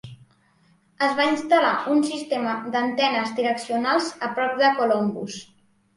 Es va instal·lar un sistema d'antenes direccionals a prop de Columbus.